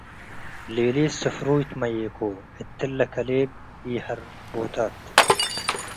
ሊሊት ስፍሩይ ትመዬኮ - እትለከሌብ ኢሀርቦታት